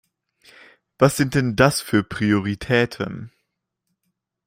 Was sind denn das für Prioritäten?